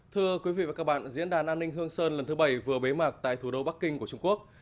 thưa quý vị và các bạn diễn đàn an ninh hương sơn lần thứ bảy vừa bế mạc tại thủ đô bắc kinh của trung quốc